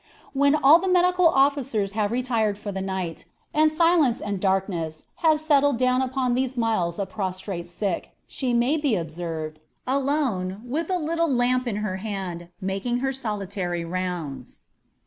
When all the medical officers have retired for the night, and silence and darkness have settled down upon these miles of prostrate sick, she may be observed, alone, with a little lamp in her hand, making her solitary rounds.